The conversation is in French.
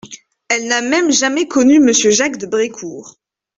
Elle n'a même jamais connu Monsieur Jacques de Brécourt.